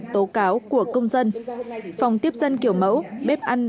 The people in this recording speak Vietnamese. tố cáo của công dân phòng tiếp dân kiểu mẫu bếp ăn